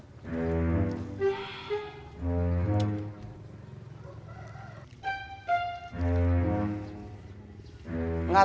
kamu bisa ikut selera dalam frelan